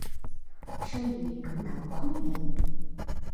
生于云南昆明。